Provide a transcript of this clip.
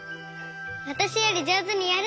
わたしよりじょうずにやるのよ！